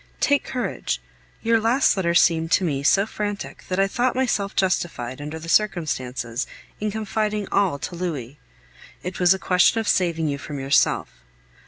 Take courage. Your last letter seemed to me so frantic, that I thought myself justified, under the circumstances, in confiding all to Louis; it was a question of saving you from yourself.